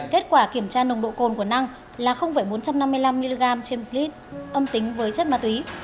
kết quả kiểm tra nồng độ cồn của năng là bốn trăm năm mươi năm mg trên một lít âm tính với chất ma túy